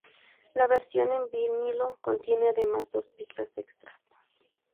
La versión en vinilo contiene además dos pistas extras.